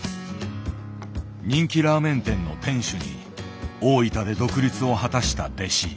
人気ラーメン店の店主に大分で独立を果たした弟子。